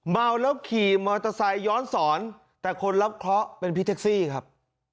เมาแล้วขี่มอเตอร์ไซค์ย้อนสอนแต่คนรับเคราะห์เป็นพี่แท็กซี่ครับ